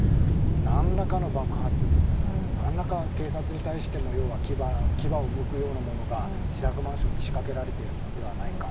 何らかの爆発物、何らか警察に対しても、要は牙をむくようなものが自宅マンションに仕掛けられているのではないか。